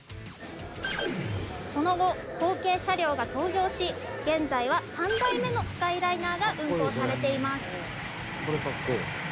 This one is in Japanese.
その後後継車両が登場し現在は３代目のスカイライナーが運行されています。